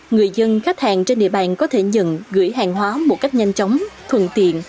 người dân khách hàng trên địa bàn có thể nhận gửi hàng hóa một cách nhanh chóng thuận tiện